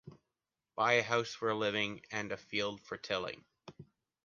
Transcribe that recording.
Buy a house for living and a field for tilling.